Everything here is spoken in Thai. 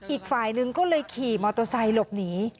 อีกฝ่ายหนึ่งก็เลยขี่มอเตอร์ไซค์หลบหนี